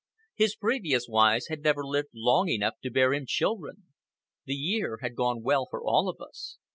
His previous wives had never lived long enough to bear him children. The year had gone well for all of us.